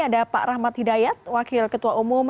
ada pak rahmat hidayat